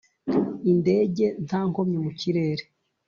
indege nta nkomyi mu kirere